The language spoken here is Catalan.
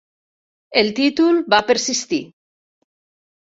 El títol va persistir.